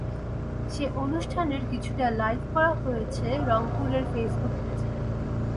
সে অনুষ্ঠানের কিছুটা লাইভ করা হয়েছে রংপুরের ফেসবুক পেজে।